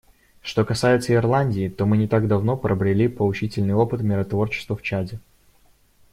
Что касается Ирландии, то мы не так давно пробрели поучительный опыт миротворчества в Чаде.